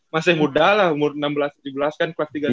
masih muda lah umur enam belas tujuh belas kan kelas tiga